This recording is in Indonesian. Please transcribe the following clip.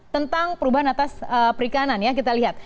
tentang perubahan atas perikanan ya kita lihat